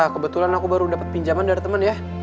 kebetulan aku baru dapat pinjaman dari temen ya